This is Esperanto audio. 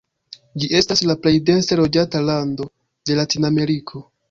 Ĝi estas la plej dense loĝata lando de Latinameriko.